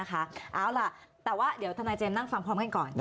แต่ว่าเดี๋ยวทนายเจมส์นั่งฟังความกันก่อนนะคะ